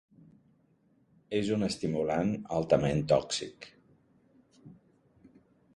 És un estimulant altament tòxic.